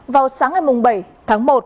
vào sáng ngày bảy tháng một